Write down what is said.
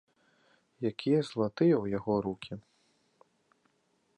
Якія залатыя ў яго рукі!